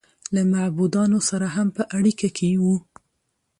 له معبودانو سره هم په اړیکه کې و.